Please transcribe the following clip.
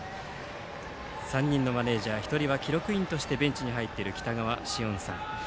３人のマネージャー１人は記録員としてベンチに入っている北川詩温さん。